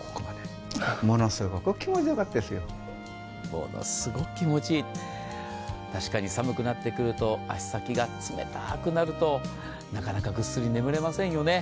ものすごく気持ちいい、確かに寒くなってくると、足先が冷たくなるとなかなかぐっすり眠れませんよね。